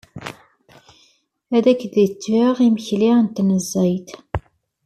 Ad ak-d-geɣ imekli n tnezzayt.